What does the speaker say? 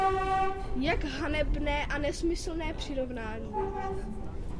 Jak hanebné a nesmyslné přirovnání!